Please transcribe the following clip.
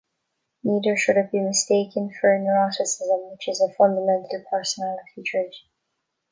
Neither should it be mistaken for neuroticism, which is a fundamental personality trait.